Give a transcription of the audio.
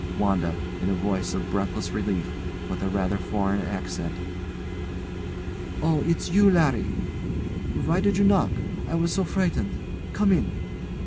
] WANDA. [In a voice of breathless relief, with a rather foreign accent] Oh! it's you, Larry! Why did you knock? I was so frightened. Come in!